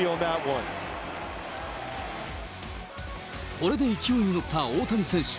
これで勢いに乗った大谷選手。